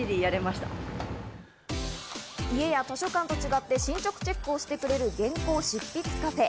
家や図書館と違って進捗チェックをしてくれる原稿執筆カフェ。